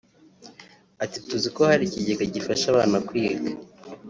Ati “Tuzi ko hari ikigega gifasha abana kwiga